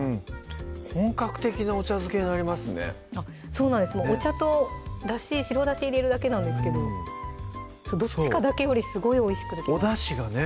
本格的なお茶漬けになりますねそうなんですお茶と白だし入れるだけなんですけどどっちかだけよりすごいおいしくできますおだしがね